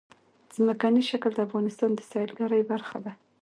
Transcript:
ځمکنی شکل د افغانستان د سیلګرۍ برخه ده.